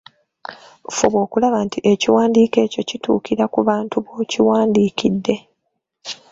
Fuba okulaba nti ekiwandiiko ekyo kituukira ku bantu b'okiwandiikidde.